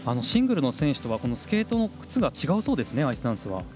シングルの選手とはスケートの靴が違うそうですね、アイスダンスは。